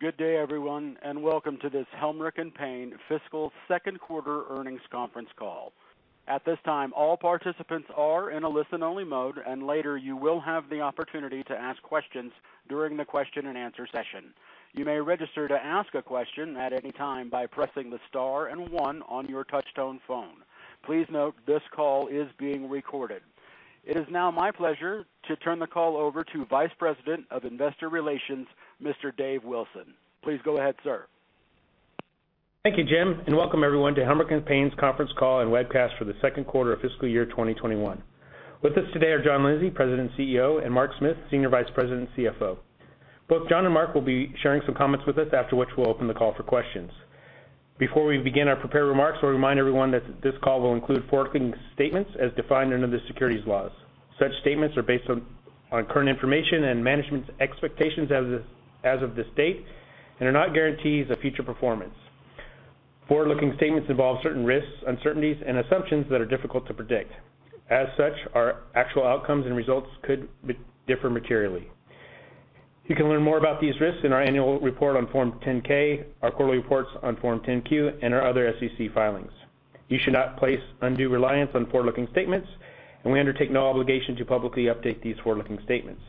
Good day, everyone, and welcome to this Helmerich & Payne fiscal second quarter earnings conference call. It is now my pleasure to turn the call over to Vice President of Investor Relations, Mr. Dave Wilson. Please go ahead, sir. Thank you, Jim, and welcome everyone to Helmerich & Payne's conference call and webcast for the second quarter of fiscal year 2021. With us today are John Lindsay, President and CEO, and Mark Smith, Senior Vice President and CFO. Both John and Mark will be sharing some comments with us, after which we'll open the call for questions. Before we begin our prepared remarks, we remind everyone that this call will include forward-looking statements as defined under the securities laws. Such statements are based on current information and management's expectations as of this date and are not guarantees of future performance. Forward-looking statements involve certain risks, uncertainties, and assumptions that are difficult to predict. As such, our actual outcomes and results could differ materially. You can learn more about these risks in our annual report on Form 10-K, our quarterly reports on Form 10-Q, and our other SEC filings. You should not place undue reliance on forward-looking statements, and we undertake no obligation to publicly update these forward-looking statements.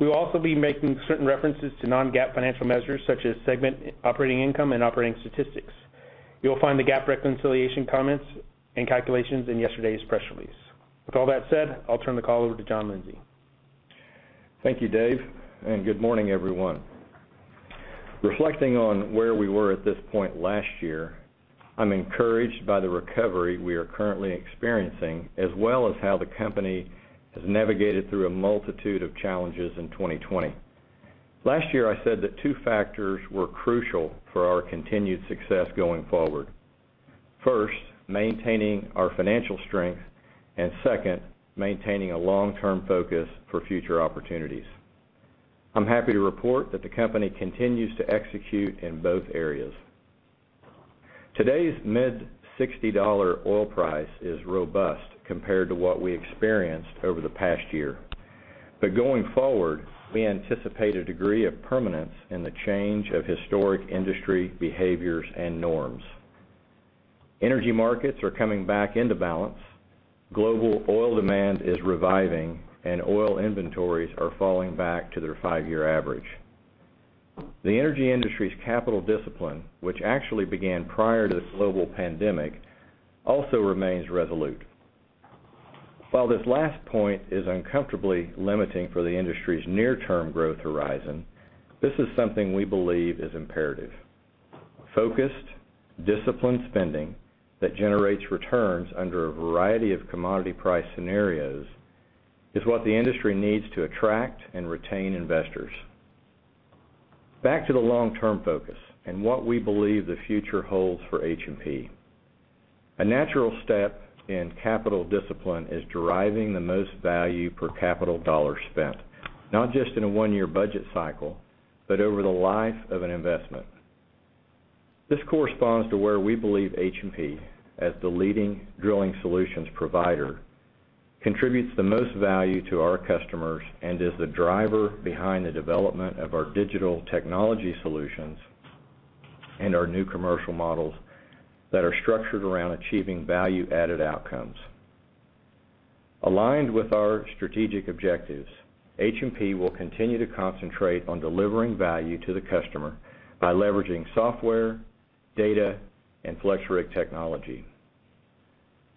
We will also be making certain references to non-GAAP financial measures such as segment operating income and operating statistics. You'll find the GAAP reconciliation comments and calculations in yesterday's press release. With all that said, I'll turn the call over to John Lindsay. Thank you, Dave, and good morning, everyone. Reflecting on where we were at this point last year, I'm encouraged by the recovery we are currently experiencing, as well as how the company has navigated through a multitude of challenges in 2020. Last year, I said that two factors were crucial for our continued success going forward. First, maintaining our financial strength, and second, maintaining a long-term focus for future opportunities. I'm happy to report that the company continues to execute in both areas. Today's mid-$60 oil price is robust compared to what we experienced over the past year. Going forward, we anticipate a degree of permanence in the change of historic industry behaviors and norms. Energy markets are coming back into balance. Global oil demand is reviving, and oil inventories are falling back to their five-year average. The energy industry's capital discipline, which actually began prior to the global pandemic, also remains resolute. While this last point is uncomfortably limiting for the industry's near-term growth horizon, this is something we believe is imperative. Focused, disciplined spending that generates returns under a variety of commodity price scenarios is what the industry needs to attract and retain investors. Back to the long-term focus and what we believe the future holds for H&P. A natural step in capital discipline is deriving the most value per capital dollar spent, not just in a one-year budget cycle, but over the life of an investment. This corresponds to where we believe H&P, as the leading drilling solutions provider, contributes the most value to our customers and is the driver behind the development of our digital technology solutions and our new commercial models that are structured around achieving value-added outcomes. Aligned with our strategic objectives, H&P will continue to concentrate on delivering value to the customer by leveraging software, data, and FlexRig technology.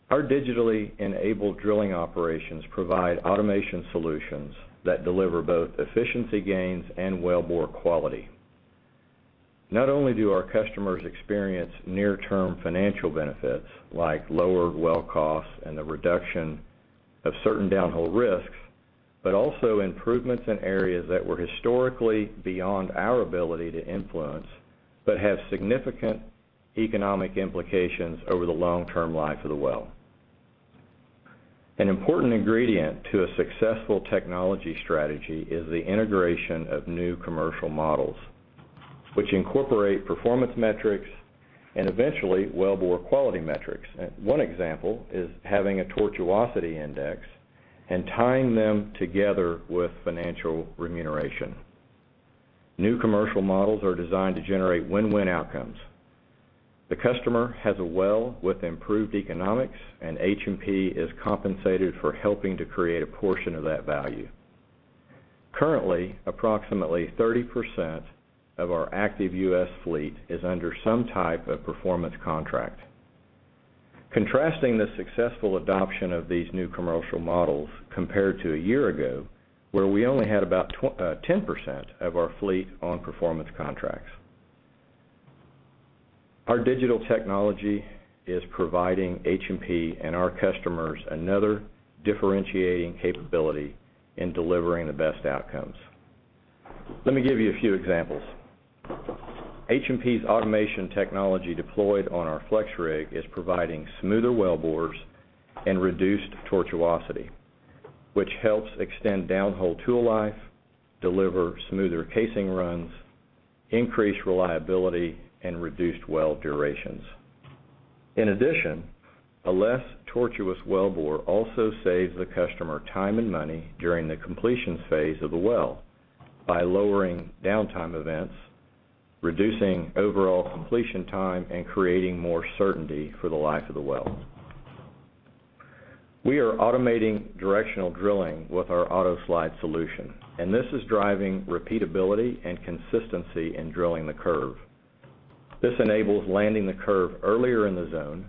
Our digitally enabled drilling operations provide automation solutions that deliver both efficiency gains and wellbore quality. Not only do our customers experience near-term financial benefits like lower well costs and the reduction of certain downhole risks, but also improvements in areas that were historically beyond our ability to influence but have significant economic implications over the long-term life of the well. An important ingredient to a successful technology strategy is the integration of new commercial models, which incorporate performance metrics and eventually wellbore quality metrics. One example is having a tortuosity index and tying them together with financial remuneration. New commercial models are designed to generate win-win outcomes. The customer has a well with improved economics, and H&P is compensated for helping to create a portion of that value. Currently, approximately 30% of our active U.S. fleet is under some type of performance contract. Contrasting the successful adoption of these new commercial models compared to a year ago, where we only had about 10% of our fleet on performance contracts. Our digital technology is providing H&P and our customers another differentiating capability in delivering the best outcomes. Let me give you a few examples. H&P's automation technology deployed on our FlexRig is providing smoother wellbores and reduced tortuosity, which helps extend downhole tool life, deliver smoother casing runs, increase reliability, and reduce well durations. In addition, a less tortuous wellbore also saves the customer time and money during the completion phase of the well by lowering downtime events, reducing overall completion time, and creating more certainty for the life of the well. We are automating directional drilling with our AutoSlide solution, and this is driving repeatability and consistency in drilling the curve. This enables landing the curve earlier in the zone,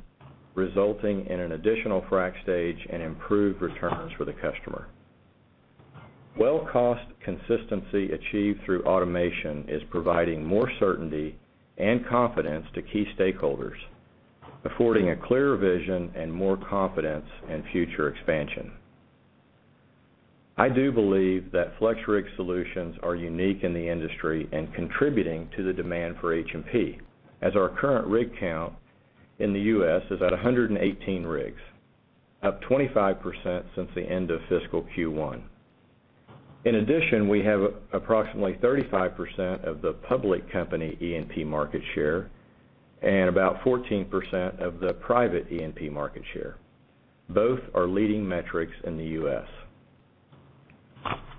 resulting in an additional frac stage and improved returns for the customer. Well cost consistency achieved through automation is providing more certainty and confidence to key stakeholders, affording a clearer vision and more confidence in future expansion. I do believe that FlexRig solutions are unique in the industry and contributing to the demand for H&P, as our current rig count in the U.S. is at 118 rigs, up 25% since the end of fiscal Q1. In addition, we have approximately 35% of the public company E&P market share and about 14% of the private E&P market share. Both are leading metrics in the U.S.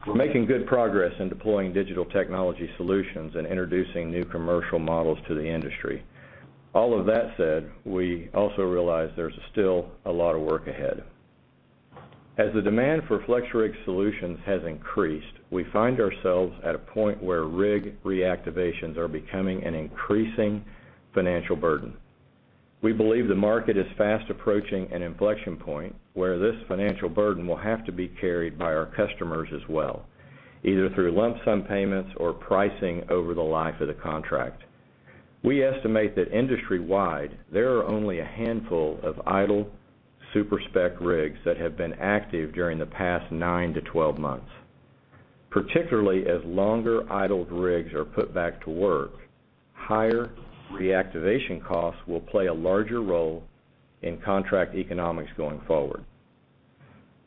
We're making good progress in deploying digital technology solutions and introducing new commercial models to the industry. All of that said, we also realize there's still a lot of work ahead. As the demand for FlexRig solutions has increased, we find ourselves at a point where rig reactivations are becoming an increasing financial burden. We believe the market is fast approaching an inflection point where this financial burden will have to be carried by our customers as well, either through lump sum payments or pricing over the life of the contract. We estimate that industry-wide, there are only a handful of idle super-spec rigs that have been active during the past nine to 12 months. Particularly as longer idled rigs are put back to work, higher reactivation costs will play a larger role in contract economics going forward.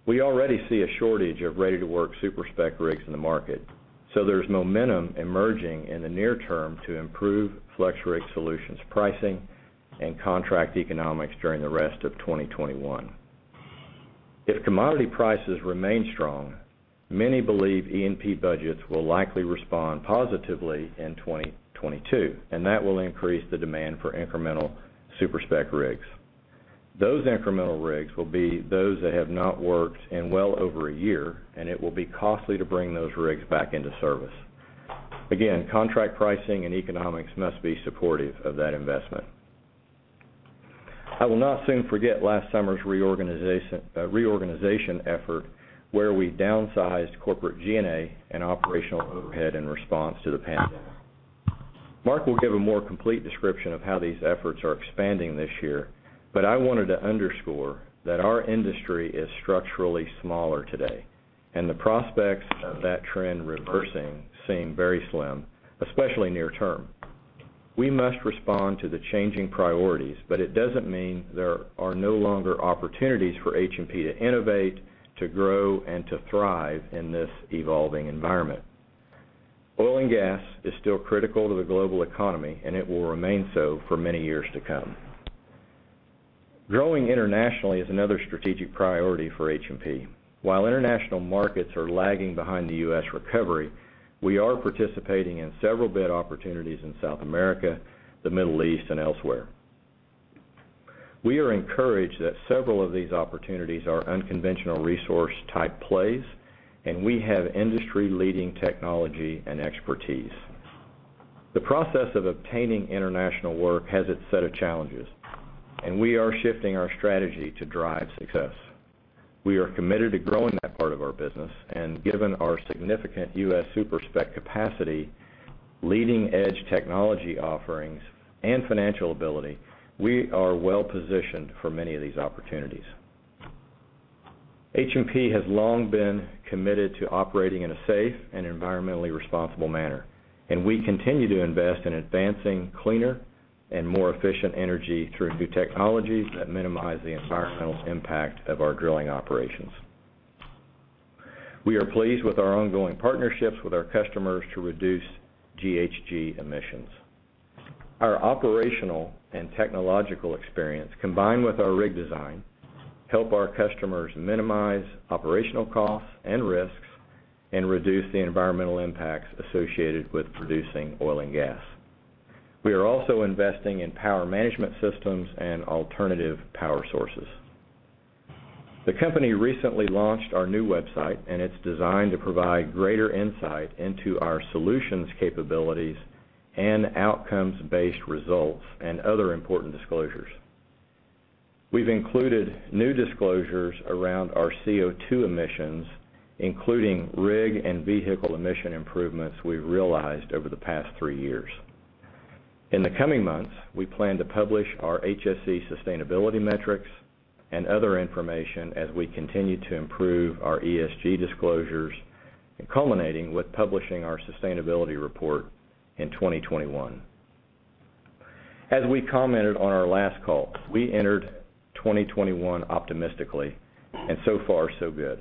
We already see a shortage of ready-to-work super-spec rigs in the market, so there's momentum emerging in the near term to improve FlexRig Solutions pricing and contract economics during the rest of 2021. If commodity prices remain strong, many believe E&P budgets will likely respond positively in 2022, and that will increase the demand for incremental super-spec rigs. Those incremental rigs will be those that have not worked in well over a year, and it will be costly to bring those rigs back into service. Contract pricing and economics must be supportive of that investment. I will not soon forget last summer's reorganization effort, where we downsized corporate G&A and operational overhead in response to the pandemic. Mark will give a more complete description of how these efforts are expanding this year. I wanted to underscore that our industry is structurally smaller today, and the prospects of that trend reversing seem very slim, especially near term. We must respond to the changing priorities. It doesn't mean there are no longer opportunities for H&P to innovate, to grow, and to thrive in this evolving environment. Oil and gas is still critical to the global economy. It will remain so for many years to come. Growing internationally is another strategic priority for H&P. While international markets are lagging behind the U.S. recovery, we are participating in several bid opportunities in South America, the Middle East, and elsewhere. We are encouraged that several of these opportunities are unconventional resource-type plays, and we have industry-leading technology and expertise. The process of obtaining international work has its set of challenges, and we are shifting our strategy to drive success. We are committed to growing that part of our business, and given our significant U.S. super-spec capacity, leading-edge technology offerings, and financial ability, we are well positioned for many of these opportunities. H&P has long been committed to operating in a safe and environmentally responsible manner, and we continue to invest in advancing cleaner and more efficient energy through new technologies that minimize the environmental impact of our drilling operations. We are pleased with our ongoing partnerships with our customers to reduce GHG emissions. Our operational and technological experience, combined with our rig design, help our customers minimize operational costs and risks and reduce the environmental impacts associated with producing oil and gas. We are also investing in power management systems and alternative power sources. The company recently launched our new website, and it's designed to provide greater insight into our solutions capabilities and outcomes-based results and other important disclosures. We've included new disclosures around our CO₂ emissions, including rig and vehicle emission improvements we've realized over the past three years. In the coming months, we plan to publish our HSE sustainability metrics and other information as we continue to improve our ESG disclosures, culminating with publishing our sustainability report in 2021. As we commented on our last call, we entered 2021 optimistically, and so far so good.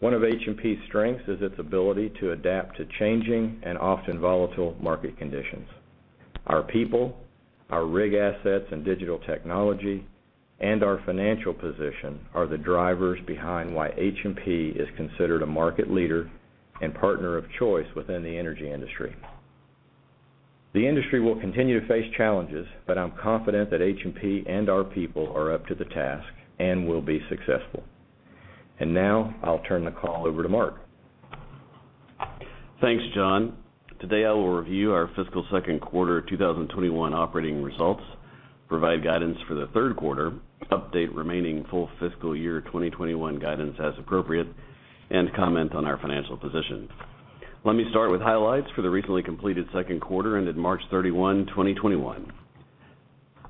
One of H&P's strengths is its ability to adapt to changing and often volatile market conditions. Our people, our rig assets and digital technology, and our financial position are the drivers behind why H&P is considered a market leader and partner of choice within the energy industry. The industry will continue to face challenges. I'm confident that H&P and our people are up to the task and will be successful. Now I'll turn the call over to Mark Smith. Thanks, John. Today, I will review our fiscal second quarter 2021 operating results, provide guidance for the third quarter, update remaining full fiscal year 2021 guidance as appropriate, and comment on our financial position. Let me start with highlights for the recently completed second quarter ended March 31, 2021.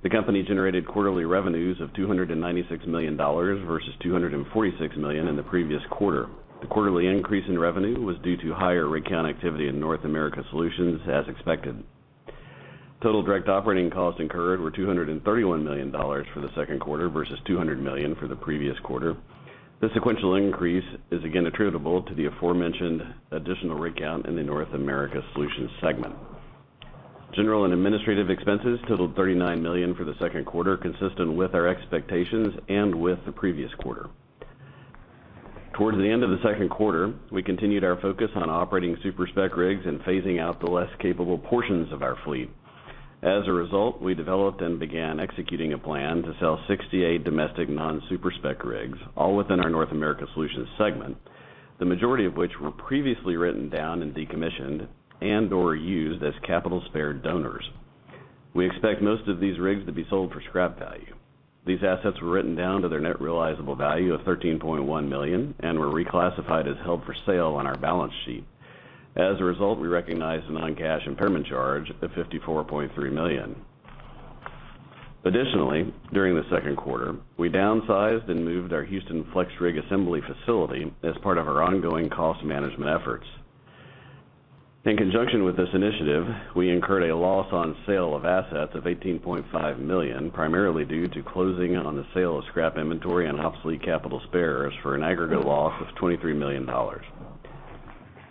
The company generated quarterly revenues of $296 million versus $246 million in the previous quarter. The quarterly increase in revenue was due to higher rig count activity in North America Solutions as expected. Total direct operating costs incurred were $231 million for the second quarter versus $200 million for the previous quarter. The sequential increase is again attributable to the aforementioned additional rig count in the North America Solutions segment. General and administrative expenses totaled $39 million for the second quarter, consistent with our expectations and with the previous quarter. Towards the end of the second quarter, we continued our focus on operating super-spec rigs and phasing out the less capable portions of our fleet. As a result, we developed and began executing a plan to sell 68 domestic non-super-spec rigs, all within our North America Solutions segment, the majority of which were previously written down and decommissioned and/or used as capital spare donors. We expect most of these rigs to be sold for scrap value. These assets were written down to their net realizable value of $13.1 million and were reclassified as held for sale on our balance sheet. As a result, we recognized a non-cash impairment charge of $54.3 million. Additionally, during the second quarter, we downsized and moved our Houston FlexRig assembly facility as part of our ongoing cost management efforts. In conjunction with this initiative, we incurred a loss on sale of assets of $18.5 million primarily due to closing on the sale of scrap inventory and obsolete capital spares for an aggregate loss of $23 million.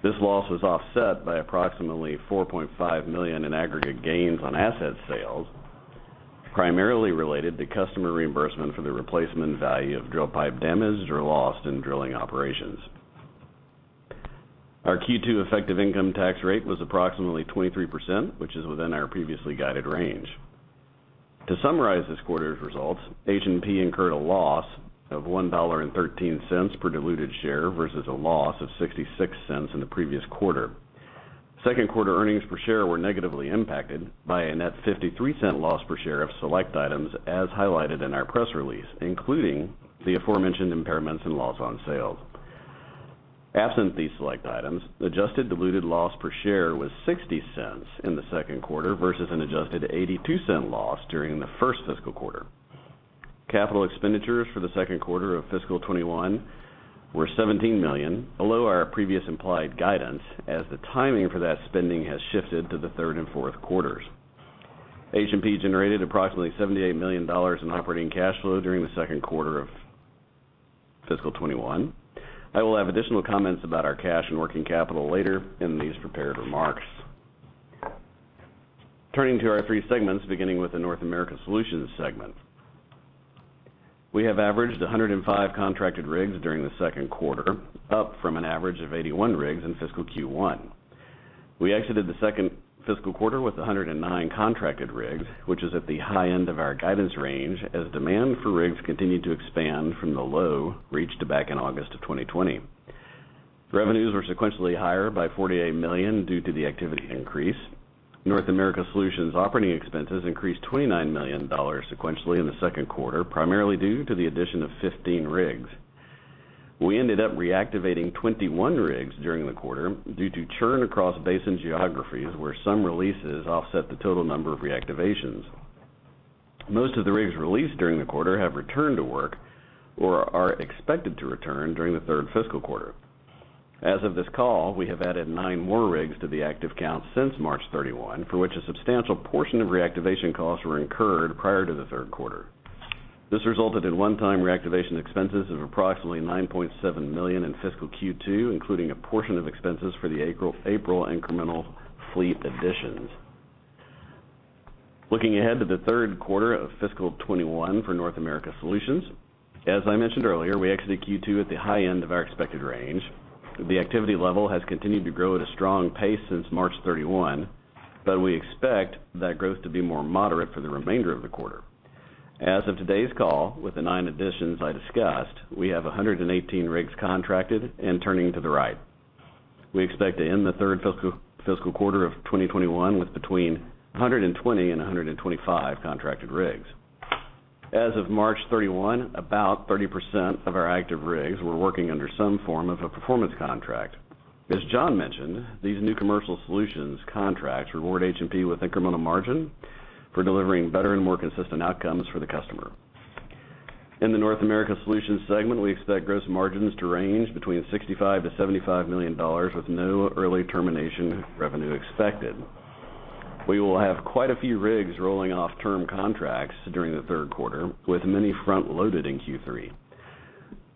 This loss was offset by approximately $4.5 million in aggregate gains on asset sales, primarily related to customer reimbursement for the replacement value of drill pipe damaged or lost in drilling operations. Our Q2 effective income tax rate was approximately 23%, which is within our previously guided range. To summarize this quarter's results, H&P incurred a loss of $1.13 per diluted share versus a loss of $0.66 in the previous quarter. Second quarter earnings per share were negatively impacted by a net $0.53 loss per share of select items as highlighted in our press release, including the aforementioned impairments and loss on sales. Absent these select items, adjusted diluted loss per share was $0.60 in the second quarter versus an adjusted $0.82 loss during the first fiscal quarter. Capital expenditures for the second quarter of fiscal 2021 were $17 million, below our previous implied guidance as the timing for that spending has shifted to the third and fourth quarters. H&P generated approximately $78 million in operating cash flow during the second quarter of fiscal 2021. I will have additional comments about our cash and working capital later in these prepared remarks. Turning to our three segments, beginning with the North America Solutions segment. We have averaged 105 contracted rigs during the second quarter, up from an average of 81 rigs in fiscal Q1. We exited the second fiscal quarter with 109 contracted rigs, which is at the high end of our guidance range as demand for rigs continued to expand from the low reached back in August of 2020. Revenues were sequentially higher by $48 million due to the activity increase. North America Solutions operating expenses increased $29 million sequentially in the second quarter, primarily due to the addition of 15 rigs. We ended up reactivating 21 rigs during the quarter due to churn across basin geographies where some releases offset the total number of reactivations. Most of the rigs released during the quarter have returned to work or are expected to return during the third fiscal quarter. As of this call, we have added nine more rigs to the active count since March 31, for which a substantial portion of reactivation costs were incurred prior to the third quarter. This resulted in one-time reactivation expenses of approximately $9.7 million in fiscal Q2, including a portion of expenses for the April incremental fleet additions. Looking ahead to the third quarter of fiscal 2021 for North America Solutions, as I mentioned earlier, we exited Q2 at the high end of our expected range. The activity level has continued to grow at a strong pace since March 31, but we expect that growth to be more moderate for the remainder of the quarter. As of today's call, with the nine additions I discussed, we have 118 rigs contracted and turning to the right. We expect to end the third fiscal quarter of 2021 with between 120 and 125 contracted rigs. As of March 31, about 30% of our active rigs were working under some form of a performance contract. As John mentioned, these new commercial solutions contracts reward H&P with incremental margin for delivering better and more consistent outcomes for the customer. In the North America Solutions segment, we expect gross margins to range between $65 million-$75 million with no early termination revenue expected. We will have quite a few rigs rolling off term contracts during the third quarter, with many front-loaded in Q3.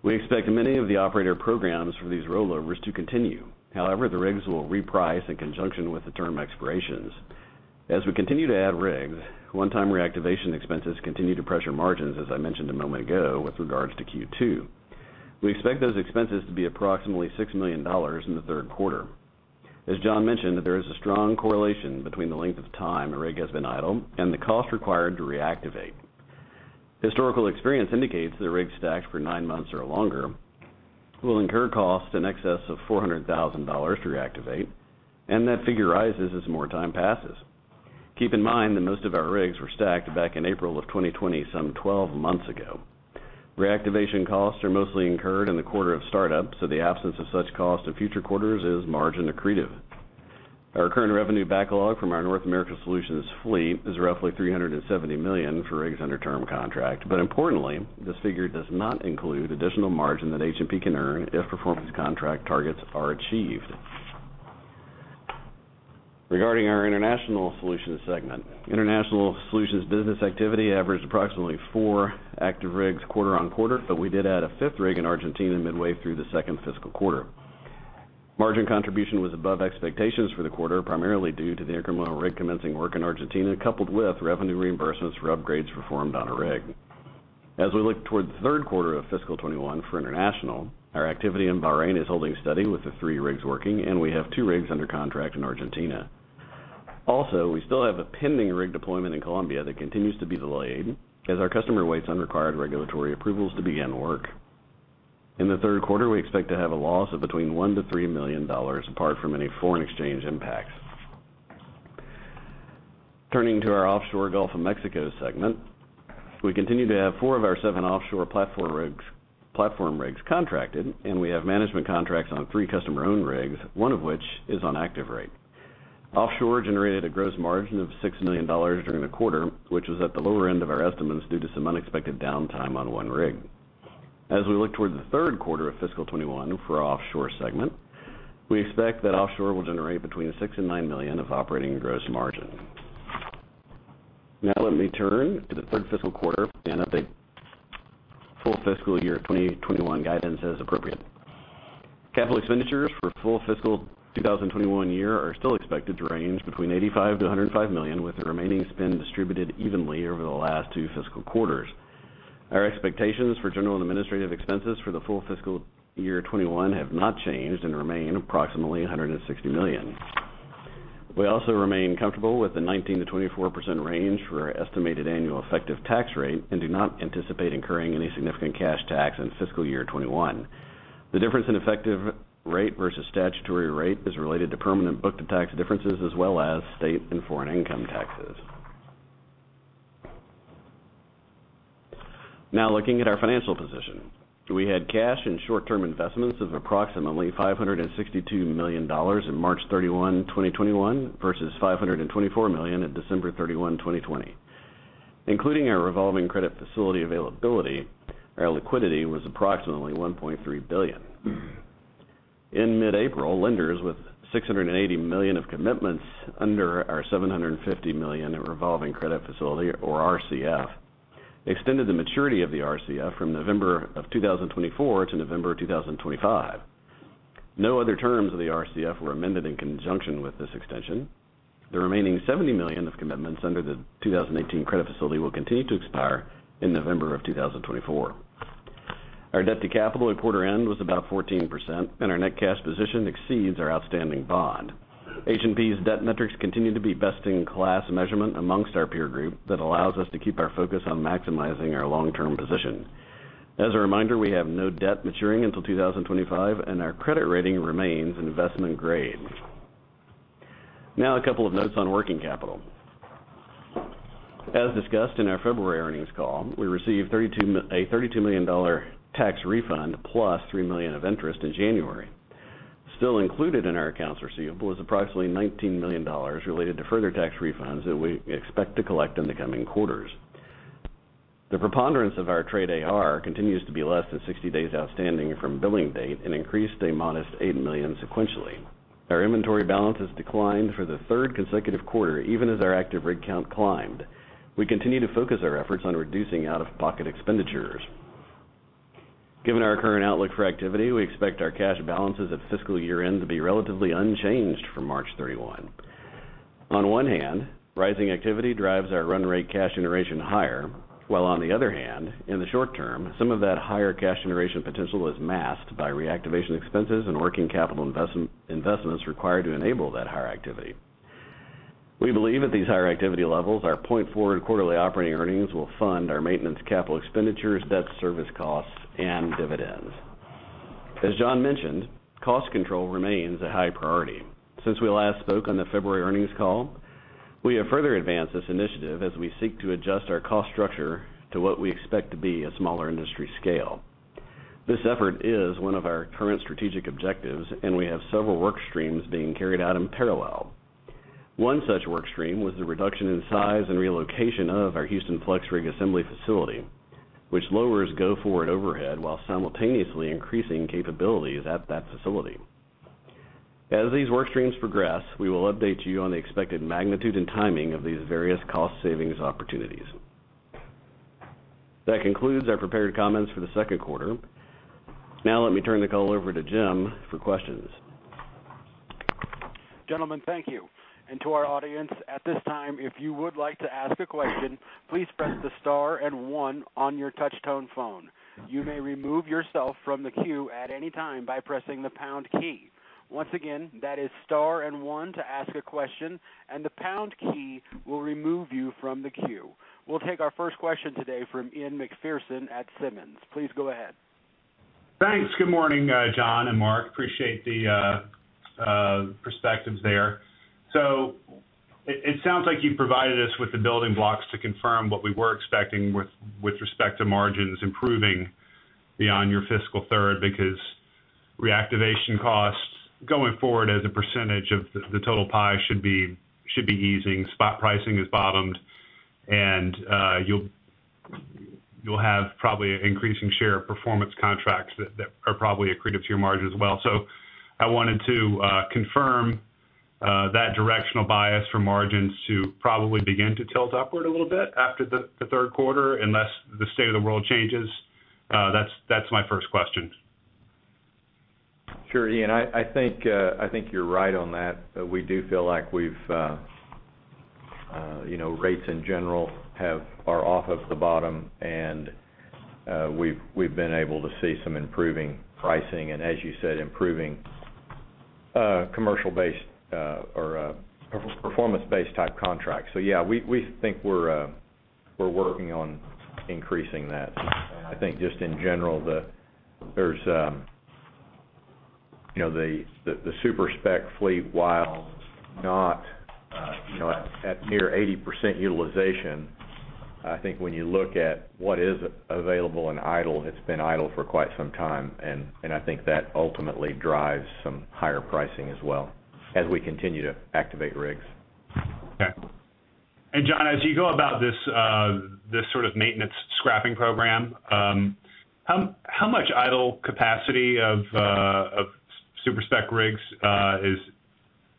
We expect many of the operator programs for these rollovers to continue. However, the rigs will reprice in conjunction with the term expirations. As we continue to add rigs, one-time reactivation expenses continue to pressure margins, as I mentioned a moment ago with regards to Q2. We expect those expenses to be approximately $6 million in the third quarter. As John mentioned, there is a strong correlation between the length of time a rig has been idle and the cost required to reactivate. Historical experience indicates that a rig stacked for nine months or longer will incur costs in excess of $400,000 to reactivate, and that figure rises as more time passes. Keep in mind that most of our rigs were stacked back in April of 2020, some 12 months ago. Reactivation costs are mostly incurred in the quarter of startup, so the absence of such costs in future quarters is margin accretive. Our current revenue backlog from our North America Solutions fleet is roughly $370 million for rigs under term contract. Importantly, this figure does not include additional margin that H&P can earn if performance contract targets are achieved. Regarding our International Solutions segment, International Solutions business activity averaged approximately four active rigs quarter-on-quarter, but we did add a fifth rig in Argentina midway through the second fiscal quarter. Margin contribution was above expectations for the quarter, primarily due to the incremental rig commencing work in Argentina, coupled with revenue reimbursements for upgrades performed on a rig. As we look toward the third quarter of fiscal 2021 for International, our activity in Bahrain is holding steady with the three rigs working, and we have two rigs under contract in Argentina. We still have a pending rig deployment in Colombia that continues to be delayed as our customer waits on required regulatory approvals to begin work. In the third quarter, we expect to have a loss of between $1 million-$3 million apart from any foreign exchange impacts. Turning to our Offshore Gulf of Mexico segment, we continue to have four of our seven offshore platform rigs contracted, and we have management contracts on three customer-owned rigs, one of which is on active rig. Offshore generated a gross margin of $6 million during the quarter, which was at the lower end of our estimates due to some unexpected downtime on one rig. As we look toward the third quarter of fiscal 2021 for our Offshore segment, we expect that Offshore will generate between $6 million and $9 million of operating gross margin. Now let me turn to the third fiscal quarter and update full fiscal year 2021 guidance as appropriate. Capital expenditures for full fiscal 2021 year are still expected to range between $85 million and $105 million, with the remaining spend distributed evenly over the last two fiscal quarters. Our expectations for General and Administrative Expenses for the full fiscal year 2021 have not changed and remain approximately $160 million. We also remain comfortable with the 19%-24% range for our estimated annual effective tax rate and do not anticipate incurring any significant cash tax in fiscal year 2021. The difference in effective rate versus statutory rate is related to permanent book-to-tax differences as well as state and foreign income taxes. Now looking at our financial position. We had cash and short-term investments of approximately $562 million in March 31, 2021, versus $524 million at December 31, 2020. Including our revolving credit facility availability, our liquidity was approximately $1.3 billion. In mid-April, lenders with $680 million of commitments under our $750 million in revolving credit facility, or RCF, extended the maturity of the RCF from November of 2024 to November of 2025. No other terms of the RCF were amended in conjunction with this extension. The remaining $70 million of commitments under the 2018 credit facility will continue to expire in November of 2024. Our debt to capital at quarter end was about 14%, and our net cash position exceeds our outstanding bond. H&P's debt metrics continue to be best-in-class measurement amongst our peer group that allows us to keep our focus on maximizing our long-term position. As a reminder, we have no debt maturing until 2025, and our credit rating remains investment grade. Now a couple of notes on working capital. As discussed in our February earnings call, we received a $32 million tax refund plus $3 million of interest in January. Still included in our accounts receivable is approximately $19 million related to further tax refunds that we expect to collect in the coming quarters. The preponderance of our trade AR continues to be less than 60 days outstanding from billing date and increased a modest $8 million sequentially. Our inventory balances declined for the third consecutive quarter, even as our active rig count climbed. We continue to focus our efforts on reducing out-of-pocket expenditures. Given our current outlook for activity, we expect our cash balances at fiscal year-end to be relatively unchanged from March 31. On one hand, rising activity drives our run rate cash generation higher. While on the other hand, in the short term, some of that higher cash generation potential is masked by reactivation expenses and working capital investments required to enable that higher activity. We believe at these higher activity levels, our point-forward quarterly operating earnings will fund our maintenance capital expenditures, debt service costs, and dividends. As John mentioned, cost control remains a high priority. Since we last spoke on the February earnings call, we have further advanced this initiative as we seek to adjust our cost structure to what we expect to be a smaller industry scale. This effort is one of our current strategic objectives, and we have several work streams being carried out in parallel. One such work stream was the reduction in size and relocation of our Houston FlexRig assembly facility, which lowers go-forward overhead while simultaneously increasing capabilities at that facility. As these work streams progress, we will update you on the expected magnitude and timing of these various cost savings opportunities. That concludes our prepared comments for the second quarter. Now let me turn the call over to Jim for questions. Gentlemen, thank you. To our audience, at this time, if you would like to ask a question, please press the star and one on your touch-tone phone. You may remove yourself from the queue at any time by pressing the pound key. Once again, that is star and one to ask a question. The pound key will remove you from the queue. We'll take our first question today from Ian Macpherson at Simmons. Please go ahead. Thanks. Good morning, John and Mark. Appreciate the perspectives there. It sounds like you've provided us with the building blocks to confirm what we were expecting with respect to margins improving beyond your fiscal third, because reactivation costs going forward as a percentage of the total pie should be easing. Spot pricing has bottomed and you'll have probably an increasing share of performance contracts that are probably accretive to your margin as well. I wanted to confirm that directional bias for margins to probably begin to tilt upward a little bit after the third quarter, unless the state of the world changes. That's my first question. Sure, Ian. I think you're right on that. We do feel like rates in general are off of the bottom, and we've been able to see some improving pricing and, as you said, improving commercial base or performance-based type contracts. Yeah, we think we're working on increasing that. I think just in general, the super-spec fleet, while not at near 80% utilization, I think when you look at what is available and idle, it's been idle for quite some time, and I think that ultimately drives some higher pricing as well as we continue to activate rigs. Okay. John, as you go about this sort of maintenance scrapping program, how much idle capacity of super-spec rigs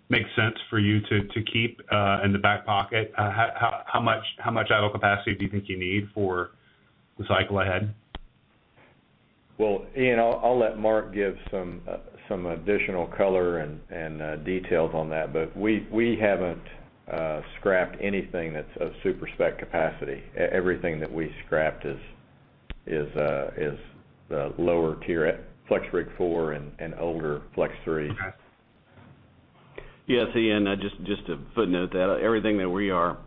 makes sense for you to keep in the back pocket? How much idle capacity do you think you need for the cycle ahead? Well, Ian, I'll let Mark give some additional color and details on that, but we haven't scrapped anything that's of super-spec capacity. Everything that we scrapped is the lower-tier FlexRig four and older Flex three. Okay. Yes, Ian, just to footnote that, everything that we are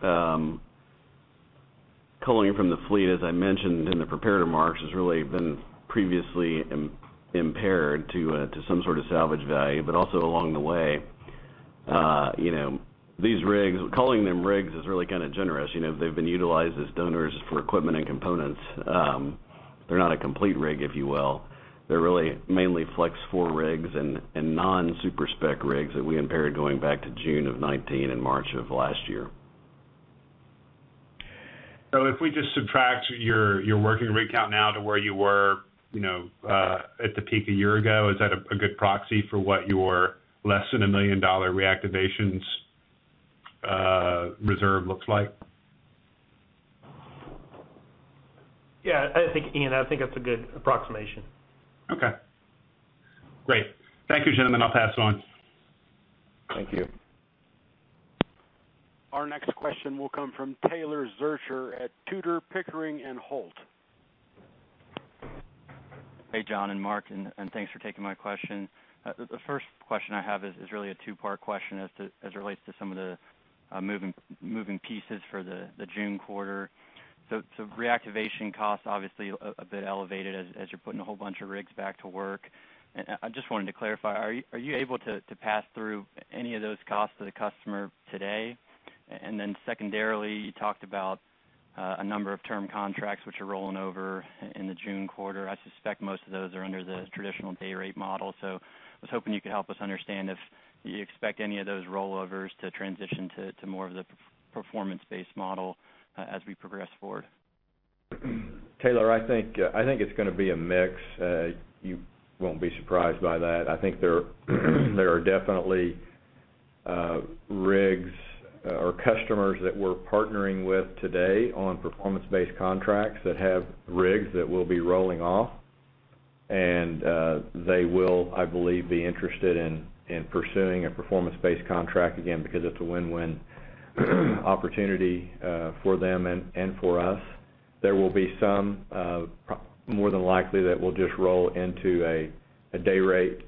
culling from the fleet, as I mentioned in the prepared remarks, has really been previously impaired to some sort of salvage value. Also along the way, these rigs, calling them rigs is really kind of generous. They've been utilized as donors for equipment and components. They're not a complete rig, if you will. They're really mainly Flex four rigs and non-super-spec rigs that we impaired going back to June of 2019 and March of last year. If we just subtract your working rig count now to where you were at the peak a year ago, is that a good proxy for what your less than $1 million reactivations reserve looks like? Yeah, Ian, I think that's a good approximation. Okay. Great. Thank you, gentlemen. I'll pass on. Thank you. Our next question will come from Taylor Zurcher at Tudor, Pickering, Holt & Co. Hey, John and Mark, and thanks for taking my question. The first question I have is really a two-part question as it relates to some of the moving pieces for the June quarter. Reactivation costs obviously a bit elevated as you're putting a whole bunch of rigs back to work. I just wanted to clarify, are you able to pass through any of those costs to the customer today? Secondarily, you talked about a number of term contracts which are rolling over in the June quarter. I suspect most of those are under the traditional day rate model. I was hoping you could help us understand if you expect any of those rollovers to transition to more of the performance-based model as we progress forward. Taylor, I think it's going to be a mix. You won't be surprised by that. I think there are definitely rigs or customers that we're partnering with today on performance-based contracts that have rigs that will be rolling off. They will, I believe, be interested in pursuing a performance-based contract again because it's a win-win opportunity for them and for us. There will be some, more than likely, that will just roll into a day rate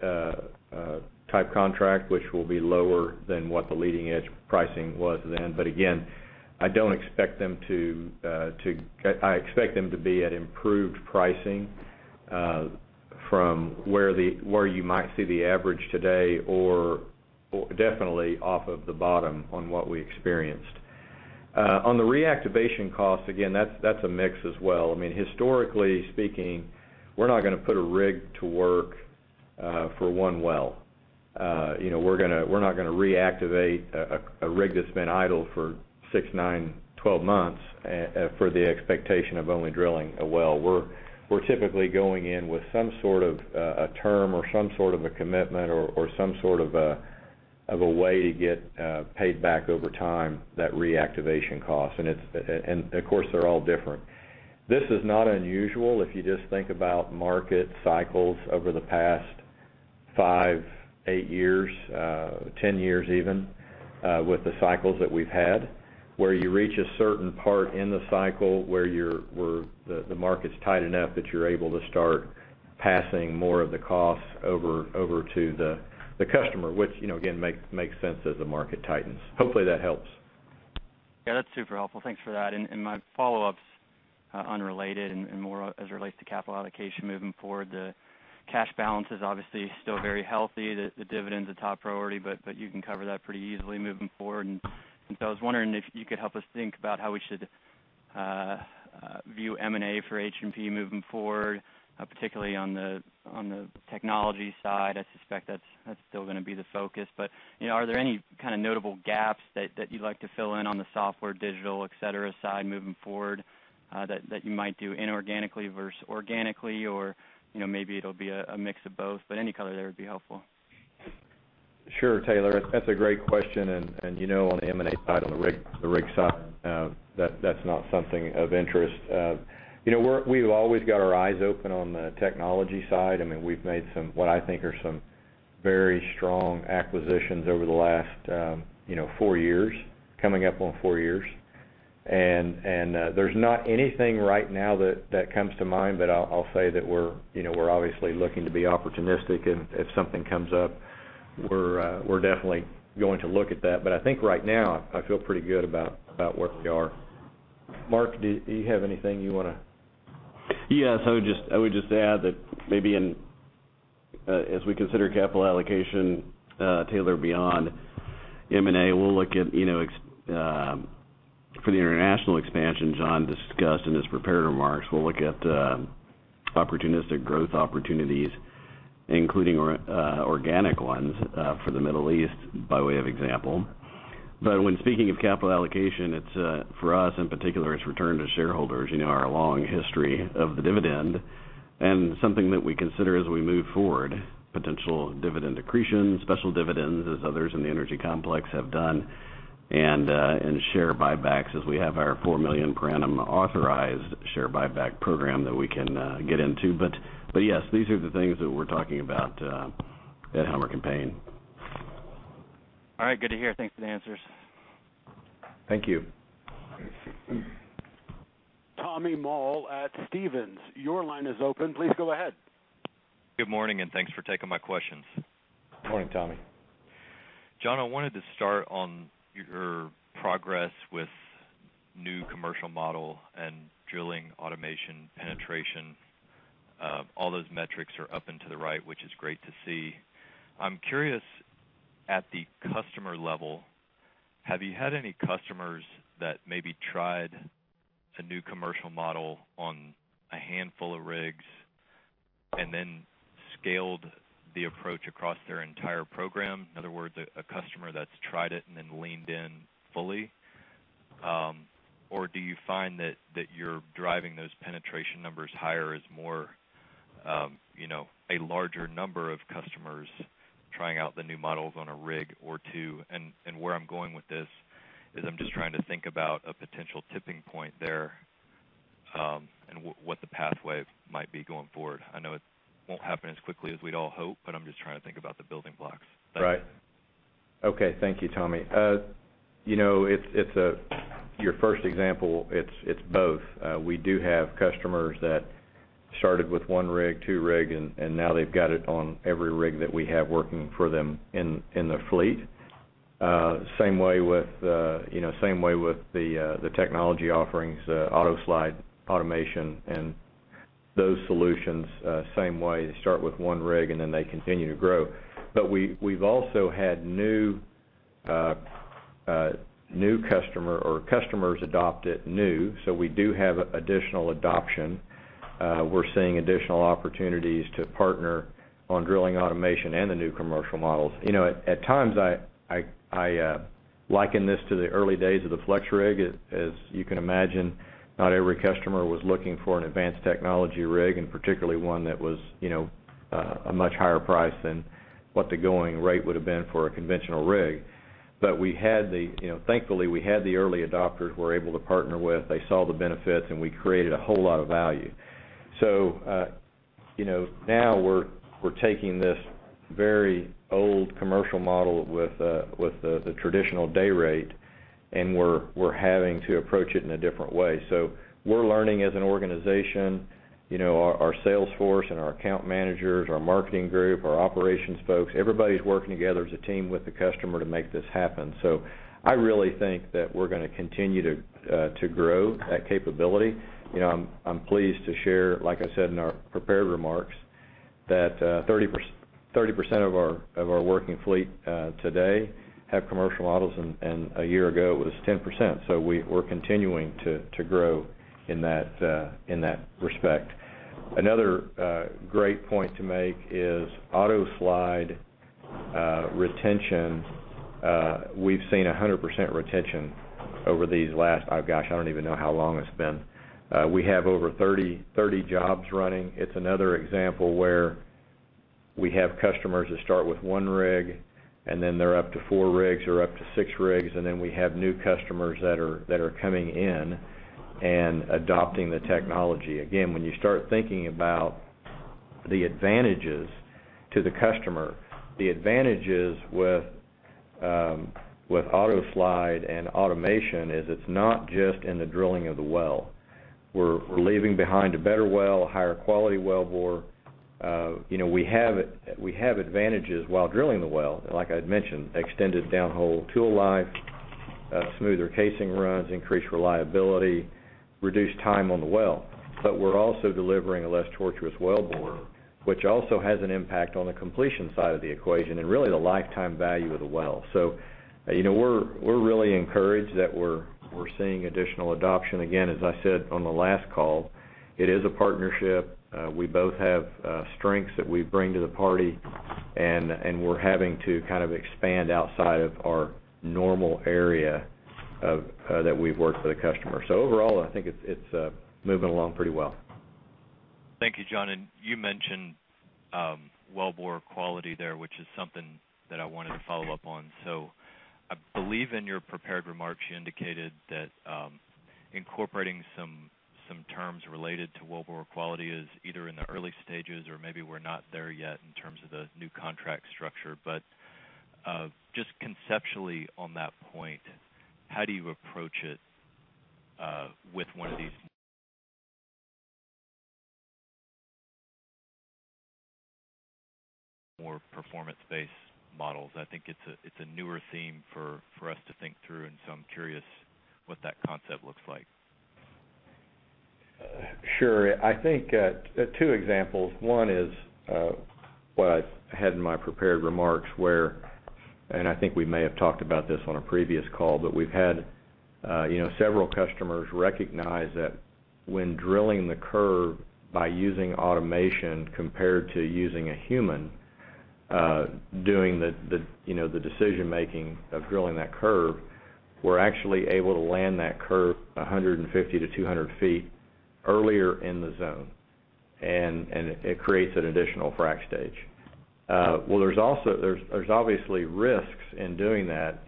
type contract, which will be lower than what the leading edge pricing was then. Again, I expect them to be at improved pricing from where you might see the average today, or definitely off of the bottom on what we experienced. On the reactivation cost, again, that's a mix as well. Historically speaking, we're not going to put a rig to work for one well. We're not going to reactivate a rig that's been idle for six, nine, 12 months for the expectation of only drilling a well. We're typically going in with some sort of a term or some sort of a commitment or some sort of a way to get paid back over time that reactivation cost, and of course, they're all different. This is not unusual if you just think about market cycles over the past five, eight years, 10 years even, with the cycles that we've had. Where you reach a certain part in the cycle where the market's tight enough that you're able to start passing more of the costs over to the customer, which again makes sense as the market tightens. Hopefully that helps. Yeah, that's super helpful. Thanks for that. My follow-up's unrelated and more as it relates to capital allocation moving forward. The cash balance is obviously still very healthy. The dividend's a top priority, but you can cover that pretty easily moving forward. I was wondering if you could help us think about how we should view M&A for H&P moving forward, particularly on the technology side. I suspect that's still going to be the focus. Are there any kind of notable gaps that you'd like to fill in on the software, digital, et cetera, side moving forward that you might do inorganically versus organically, or maybe it'll be a mix of both, but any color there would be helpful. Sure, Taylor, that's a great question, and you know, on the M&A side, on the rig side, that's not something of interest. We've always got our eyes open on the technology side. We've made what I think are some very strong acquisitions over the last four years, coming up on four years. There's not anything right now that comes to mind. I'll say that we're obviously looking to be opportunistic, and if something comes up, we're definitely going to look at that. I think right now, I feel pretty good about where we are. Mark, do you have anything you want to? Yes, I would just add that maybe as we consider capital allocation, Taylor, beyond M&A, for the international expansion John discussed in his prepared remarks, we'll look at opportunistic growth opportunities, including organic ones for the Middle East, by way of example. When speaking of capital allocation, for us in particular, it's return to shareholders, our long history of the dividend, and something that we consider as we move forward, potential dividend accretions, special dividends as others in the energy complex have done, and share buybacks as we have our $4 million per annum authorized share buyback program that we can get into. Yes, these are the things that we're talking about at Helmerich & Payne. All right. Good to hear. Thanks for the answers. Thank you. Tommy Moll at Stephens, your line is open. Please go ahead. Good morning, and thanks for taking my questions. Morning, Tommy. John, I wanted to start on your progress with new commercial model and drilling automation penetration. All those metrics are up and to the right, which is great to see. I'm curious, at the customer level, have you had any customers that maybe tried a new commercial model on a handful of rigs and then scaled the approach across their entire program? In other words, a customer that's tried it and then leaned in fully. Do you find that you're driving those penetration numbers higher as more a larger number of customers trying out the new models on a rig or two? Where I'm going with this is I'm just trying to think about a potential tipping point there, and what the pathway might be going forward. I know it won't happen as quickly as we'd all hope, but I'm just trying to think about the building blocks. Right. Okay. Thank you, Tommy. Your first example, it's both. We do have customers that started with one rig, two rig, and now they've got it on every rig that we have working for them in their fleet. Same way with the technology offerings, AutoSlide automation and those solutions, same way. They start with one rig, and then they continue to grow. We've also had customers adopt it new, so we do have additional adoption. We're seeing additional opportunities to partner on drilling automation and the new commercial models. At times, I liken this to the early days of the FlexRig. As you can imagine, not every customer was looking for an advanced technology rig, and particularly one that was a much higher price than what the going rate would have been for a conventional rig. Thankfully, we had the early adopters, we're able to partner with. They saw the benefits, and we created a whole lot of value. Now we're taking this very old commercial model with the traditional day rate, and we're having to approach it in a different way. We're learning as an organization, our sales force and our account managers, our marketing group, our operations folks, everybody's working together as a team with the customer to make this happen. I really think that we're going to continue to grow that capability. I'm pleased to share, like I said in our prepared remarks, that 30% of our working fleet today have commercial models, and a year ago, it was 10%. We're continuing to grow in that respect. Another great point to make is AutoSlide retention. We've seen 100% retention over these last, gosh, I don't even know how long it's been. We have over 30 jobs running. It's another example where we have customers that start with one rig, and then they're up to four rigs or up to six rigs, and then we have new customers that are coming in and adopting the technology. Again, when you start thinking about the advantages to the customer, the advantages with AutoSlide and automation is it's not just in the drilling of the well. We're leaving behind a better well, a higher quality wellbore. We have advantages while drilling the well, and like I'd mentioned, extended downhole tool life, smoother casing runs, increased reliability, reduced time on the well. But we're also delivering a less tortuous wellbore, which also has an impact on the completion side of the equation, and really the lifetime value of the well. So, we're really encouraged that we're seeing additional adoption. Again, as I said on the last call, it is a partnership. We both have strengths that we bring to the party, and we're having to expand outside of our normal area that we've worked with a customer. Overall, I think it's moving along pretty well. Thank you, John. You mentioned wellbore quality there, which is something that I wanted to follow up on. I believe in your prepared remarks, you indicated that incorporating some terms related to wellbore quality is either in the early stages or maybe we're not there yet in terms of the new contract structure. Just conceptually on that point, how do you approach it with one of these more performance-based contracts? I think it's a newer theme for us to think through. I'm curious what that concept looks like. Sure. I think two examples. One is what I had in my prepared remarks where, and I think we may have talked about this on a previous call, but we've had several customers recognize that when drilling the curve by using automation compared to using a human doing the decision making of drilling that curve, we're actually able to land that curve 150 to 200 feet earlier in the zone. It creates an additional frac stage. Well, there's obviously risks in doing that.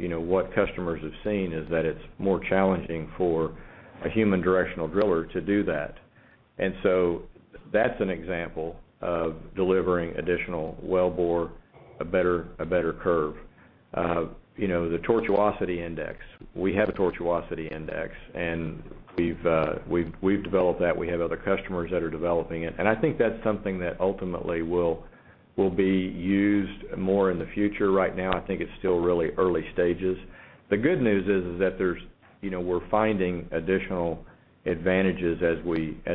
What customers have seen is that it's more challenging for a human directional driller to do that. That's an example of delivering additional wellbore, a better curve. The tortuosity index. We have a tortuosity index, and we've developed that. We have other customers that are developing it. I think that's something that ultimately will be used more in the future. Right now, I think it's still really early stages. The good news is that we're finding additional advantages as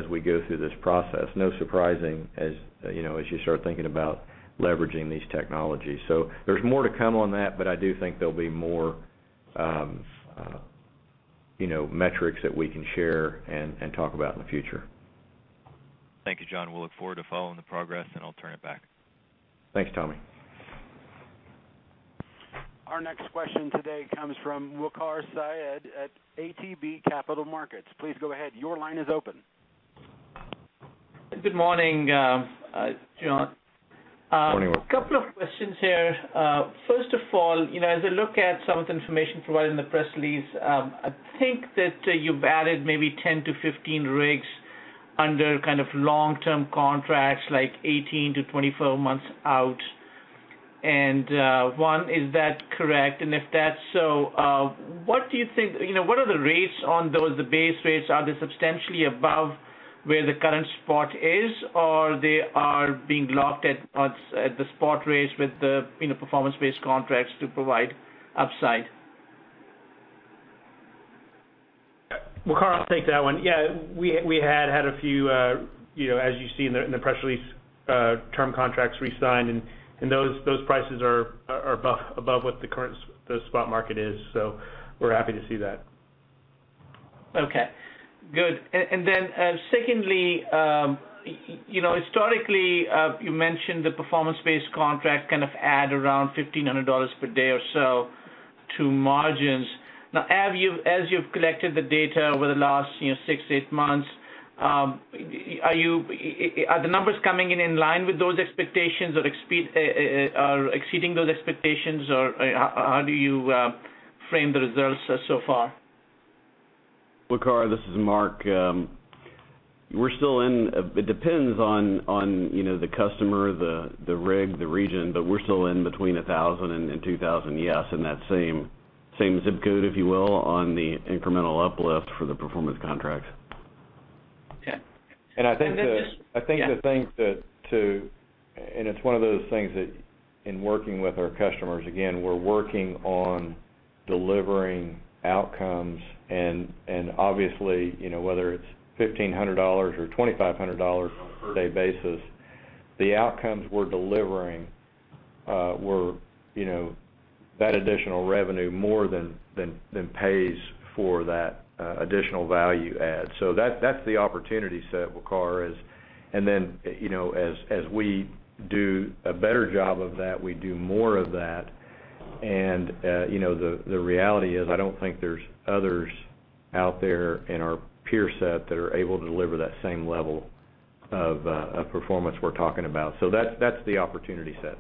we go through this process. No surprising as you start thinking about leveraging these technologies. There's more to come on that, but I do think there'll be more metrics that we can share and talk about in the future. Thank you, John. We'll look forward to following the progress, and I'll turn it back. Thanks, Tommy. Our next question today comes from Waqar Syed at ATB Capital Markets. Please go ahead. Your line is open. Good morning, John. Morning, Waqar. A couple of questions here. First of all, as I look at some of the information provided in the press release, I think that you've added maybe 10-15 rigs under long-term contracts, like 18-24 months out. One, is that correct? If that's so, what are the rates on those? The base rates, are they substantially above where the current spot is, or they are being locked at the spot rates with the performance-based contracts to provide upside? Waqar, I'll take that one. Yeah, we had had a few, as you see in the press release, term contracts re-signed. Those prices are above what the current spot market is. We're happy to see that. Okay, good. Secondly, historically, you mentioned the performance-based contract kind of add around $1,500 per day or so to margins. Now, as you've collected the data over the last six, eight months, are the numbers coming in in line with those expectations or exceeding those expectations, or how do you frame the results so far? Waqar, this is Mark. It depends on the customer, the rig, the region, but we're still in between $1,000 and $2,000. Yes. In that same ZIP code, if you will, on the incremental uplift for the performance contracts. Okay. I think the thing too, and it's one of those things that in working with our customers, again, we're working on delivering outcomes, and obviously, whether it's $1,500 or $2,500 on a per day basis, the outcomes we're delivering that additional revenue more than pays for that additional value add. That's the opportunity set, Waqar. Then, as we do a better job of that, we do more of that. The reality is, I don't think there's others out there in our peer set that are able to deliver that same level of performance we're talking about. That's the opportunity set.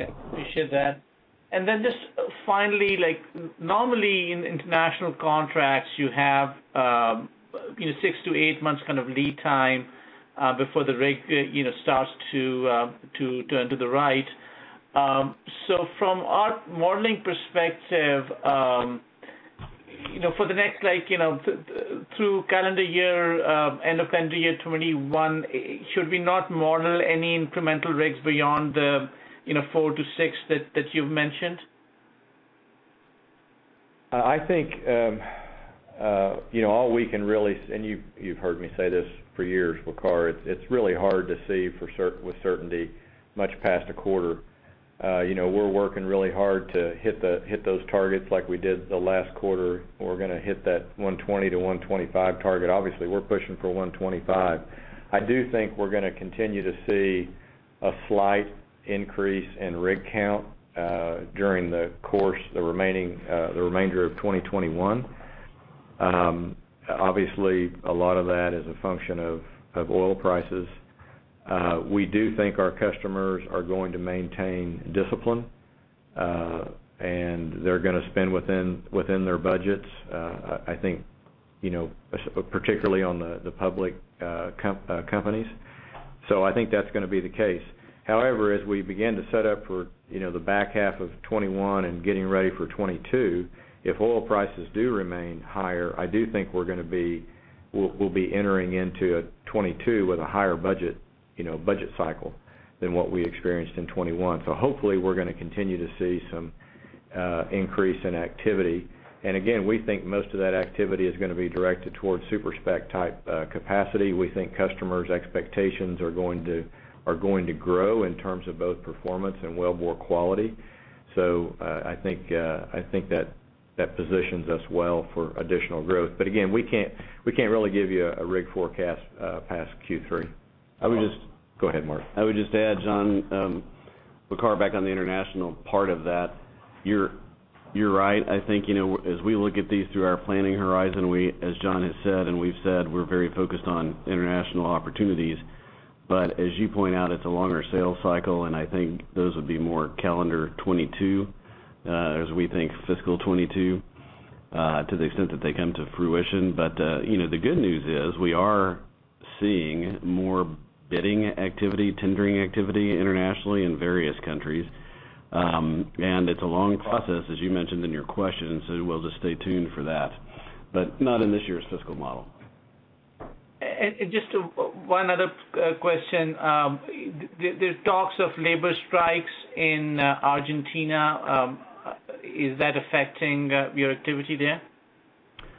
Okay. Appreciate that. Just finally, normally in international contracts, you have six to eight months lead time before the rig starts to turn to the right. From our modeling perspective, through end of calendar year 2021, should we not model any incremental rigs beyond the four to six that you've mentioned? I think, all we can really-- and you've heard me say this for years, Waqar, it's really hard to see with certainty much past a quarter. We're working really hard to hit those targets like we did the last quarter. We're going to hit that 120 to 125 target. Obviously, we're pushing for 125. I do think we're going to continue to see a slight increase in rig count during the course of the remainder of 2021. Obviously, a lot of that is a function of oil prices. We do think our customers are going to maintain discipline, and they're going to spend within their budgets, I think, particularly on the public companies. I think that's going to be the case. However, as we begin to set up for the back half of 2021 and getting ready for 2022, if oil prices do remain higher, I do think we'll be entering into 2022 with a higher budget cycle than what we experienced in 2021. Hopefully, we're going to continue to see some increase in activity. Again, we think most of that activity is going to be directed towards super-spec type capacity. We think customers' expectations are going to grow in terms of both performance and well bore quality. I think that positions us well for additional growth. Again, we can't really give you a rig forecast past Q3. I would just. Go ahead, Mark. I would just add, John, Waqar, back on the international part of that, you're right. I think, as we look at these through our planning horizon, we, as John has said, and we've said, we're very focused on international opportunities. As you point out, it's a longer sales cycle, and I think those would be more calendar 2022, as we think fiscal 2022, to the extent that they come to fruition. The good news is we are seeing more bidding activity, tendering activity internationally in various countries. It's a long process, as you mentioned in your question, so we'll just stay tuned for that. Not in this year's fiscal model. Just one other question. There's talks of labor strikes in Argentina. Is that affecting your activity there?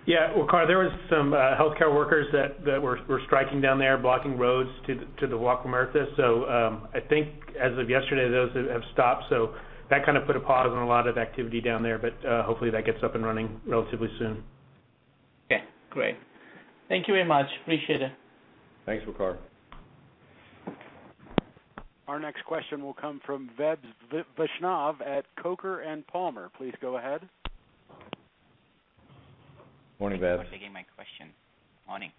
Yeah. Waqar, there was some healthcare workers that were striking down there, blocking roads to the Vaca Muerta. I think as of yesterday, those have stopped. That kind of put a pause on a lot of activity down there, but hopefully that gets up and running relatively soon. Okay, great. Thank you very much. Appreciate it. Thanks, Waqar. Our next question will come from Vaibhav Vaishnav at Coker & Palmer. Please go ahead. Morning, Vaibhav. Thanks for taking my question. Morning.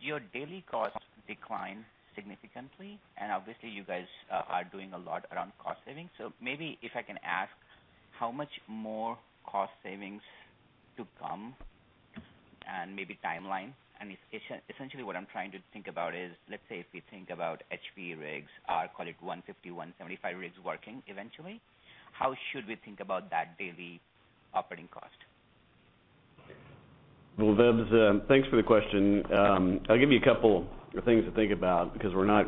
Your daily costs declined significantly, and obviously, you guys are doing a lot around cost savings. Maybe if I can ask how much more cost savings to come and maybe timeline. Essentially what I'm trying to think about is, let's say if we think about H&P rigs, I'll call it 150, 175 rigs working eventually. How should we think about that daily operating cost? Vaibhav, thanks for the question. I'll give you a couple of things to think about because we're not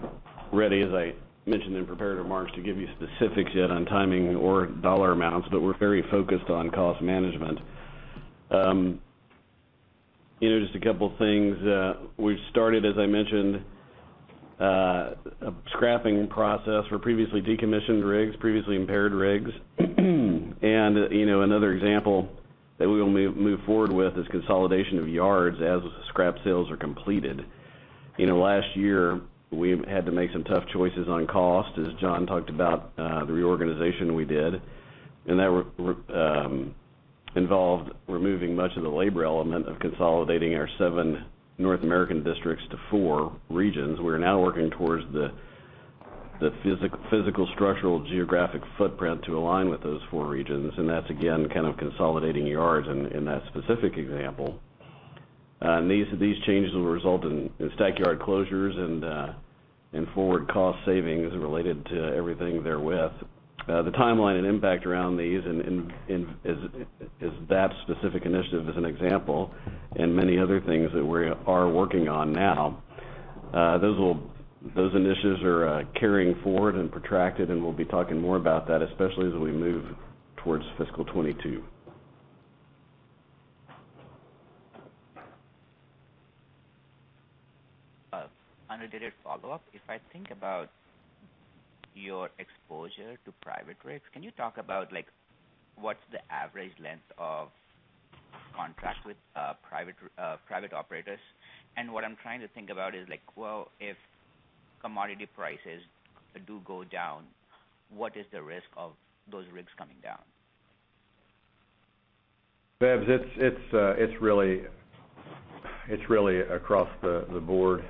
ready, as I mentioned in prepared remarks, to give you specifics yet on timing or dollar amounts, but we're very focused on cost management. Just a couple of things. We've started, as I mentioned, a scrapping process for previously decommissioned rigs, previously impaired rigs. Another example that we will move forward with is consolidation of yards as scrap sales are completed. Last year, we had to make some tough choices on cost as John talked about the reorganization we did, and that involved removing much of the labor element of consolidating our seven North American districts to four regions. We're now working towards the physical structural geographic footprint to align with those four regions, that's again, kind of consolidating yards in that specific example. These changes will result in stack yard closures and forward cost savings related to everything therewith. The timeline and impact around these is that specific initiative as an example, and many other things that we are working on now. Those initiatives are carrying forward and protracted, and we'll be talking more about that, especially as we move towards fiscal 2022. An unrelated follow-up. If I think about your exposure to private rigs, can you talk about what's the average length of contract with private operators? What I'm trying to think about is, well, if commodity prices do go down, what is the risk of those rigs coming down? Vaibhav, it's really across the board.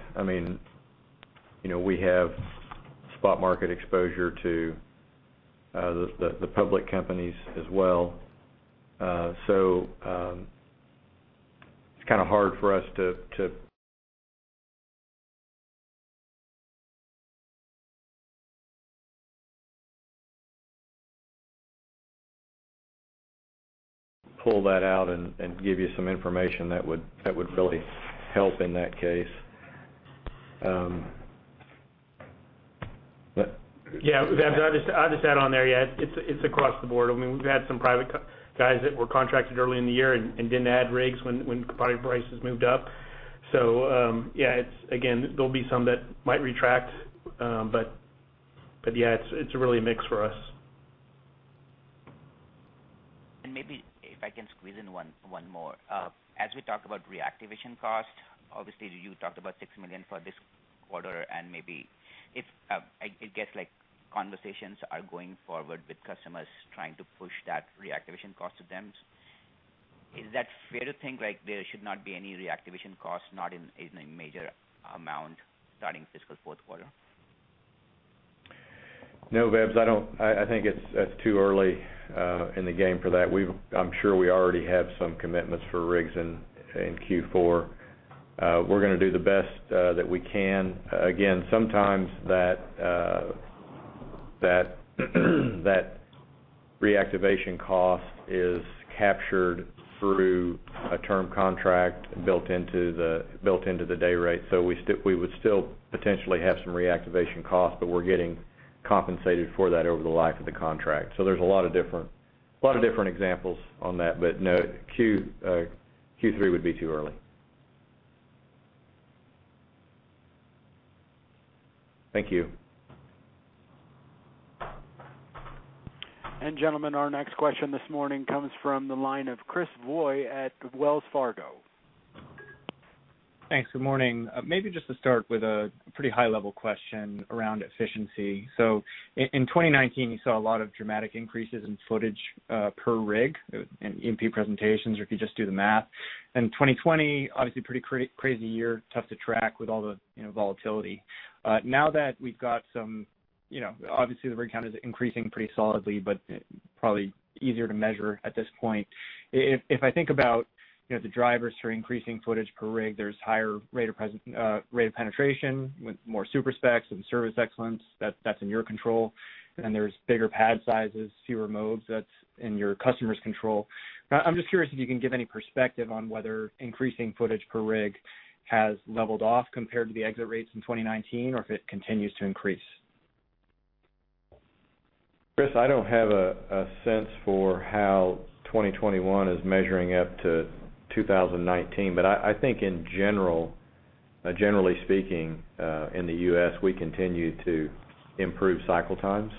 We have spot market exposure to the public companies as well. It's kind of hard for us to pull that out and give you some information that would really help in that case. Yeah. Vaibhav, I'll just add on there. It's across the board. We've had some private guys that were contracted early in the year and didn't add rigs when commodity prices moved up. Yeah, there'll be some that might retract. Yeah, it's really a mix for us. Maybe if I can squeeze in one more. As we talk about reactivation cost, obviously you talked about $6 million for this quarter, maybe if conversations are going forward with customers trying to push that reactivation cost to them, is that fair to think there should not be any reactivation cost, not in any major amount starting fiscal fourth quarter? No, Vaibhav, I think it's too early in the game for that. I'm sure we already have some commitments for rigs in Q4. We're going to do the best that we can. Sometimes that reactivation cost is captured through a term contract built into the day rate. We would still potentially have some reactivation cost, but we're getting compensated for that over the life of the contract. There's a lot of different examples on that. No, Q3 would be too early. Thank you. Gentlemen, our next question this morning comes from the line of Chris Voie at Wells Fargo. Thanks. Good morning. Maybe just to start with a pretty high-level question around efficiency. In 2019, you saw a lot of dramatic increases in footage per rig in H&P presentations or if you just do the math. 2020, obviously pretty crazy year, tough to track with all the volatility. Now that we've got obviously the rig count is increasing pretty solidly, but probably easier to measure at this point. If I think about the drivers for increasing footage per rig, there's higher rate of penetration with more super-specs and service excellence. That's in your control. There's bigger pad sizes, fewer moves, that's in your customer's control. I'm just curious if you can give any perspective on whether increasing footage per rig has leveled off compared to the exit rates in 2019, or if it continues to increase. Chris, I don't have a sense for how 2021 is measuring up to 2019. I think generally speaking, in the U.S., we continue to improve cycle times.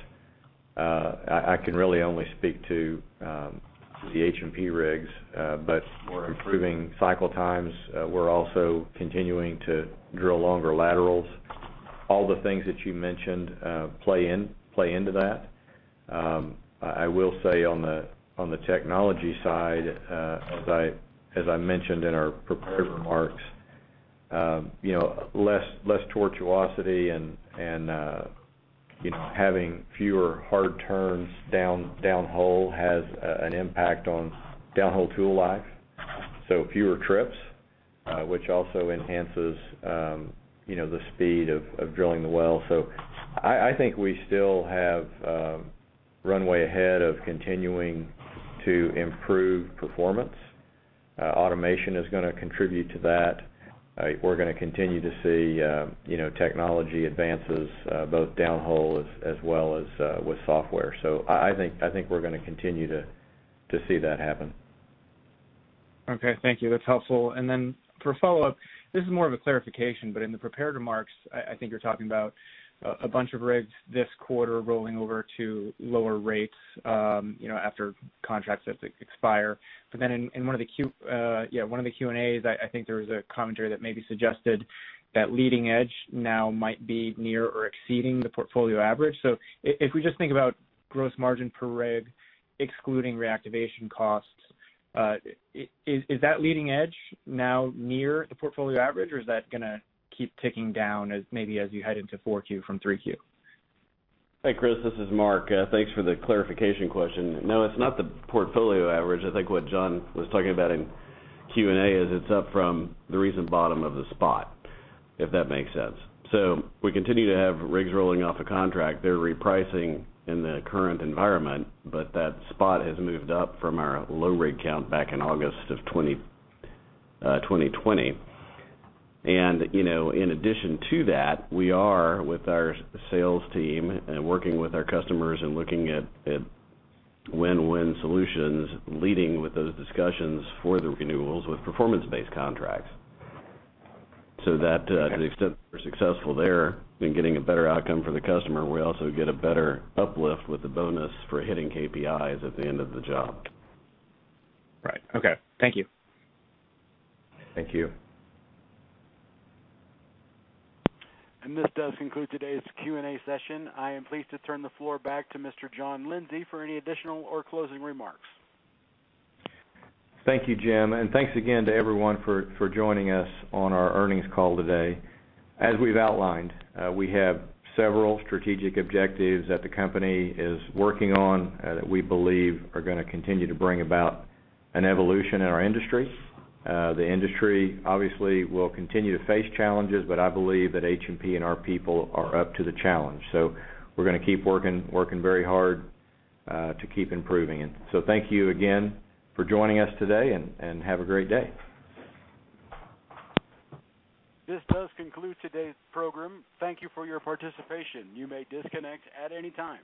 I can really only speak to the H&P rigs. We're improving cycle times. We're also continuing to drill longer laterals. All the things that you mentioned play into that. I will say on the technology side, as I mentioned in our prepared remarks, less tortuosity and having fewer hard turns downhole has an impact on downhole tool life. Fewer trips, which also enhances the speed of drilling the well. I think we still have runway ahead of continuing to improve performance. Automation is going to contribute to that. We're going to continue to see technology advances both downhole as well as with software. I think we're going to continue to see that happen. Okay. Thank you. That's helpful. Then, for follow-up, this is more of a clarification, but in the prepared remarks, I think you're talking about a bunch of rigs this quarter rolling over to lower rates after contracts have to expire. Then in one of the Q&As, I think there was a commentary that maybe suggested that leading edge now might be near or exceeding the portfolio average. If we just think about gross margin per rig, excluding reactivation costs, is that leading edge now near the portfolio average, or is that going to keep ticking down as maybe as you head into Q4 from Q3? Hey, Chris, this is Mark. Thanks for the clarification question. No, it's not the portfolio average. I think what John was talking about in Q&A is it's up from the recent bottom of the spot, if that makes sense. We continue to have rigs rolling off a contract. They're repricing in the current environment, but that spot has moved up from our low rig count back in August of 2020. In addition to that, we are, with our sales team and working with our customers and looking at win-win solutions, leading with those discussions for the renewals with performance-based contracts. That to the extent we're successful there in getting a better outcome for the customer, we also get a better uplift with the bonus for hitting KPIs at the end of the job. Right. Okay. Thank you. Thank you. This does conclude today's Q&A session. I am pleased to turn the floor back to Mr. John Lindsay for any additional or closing remarks. Thank you, Jim, and thanks again to everyone for joining us on our earnings call today. As we've outlined, we have several strategic objectives that the company is working on that we believe are going to continue to bring about an evolution in our industry. The industry obviously will continue to face challenges, but I believe that H&P and our people are up to the challenge. We're going to keep working very hard to keep improving. Thank you again for joining us today, and have a great day. This does conclude today's program. Thank you for your participation. You may disconnect at any time.